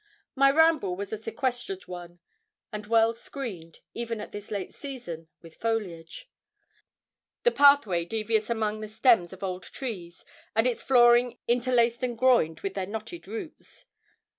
My ramble was a sequestered one, and well screened, even at this late season, with foliage; the pathway devious among the stems of old trees, and its flooring interlaced and groined with their knotted roots.